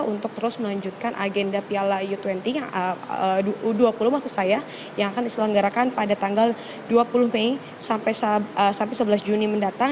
untuk terus melanjutkan agenda piala u dua puluh maksud saya yang akan diselenggarakan pada tanggal dua puluh mei sampai sebelas juni mendatang